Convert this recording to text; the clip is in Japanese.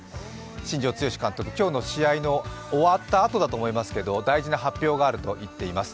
新庄剛志監督、今日の試合が終わったあとだと思いますが、大事な発表があると言っています。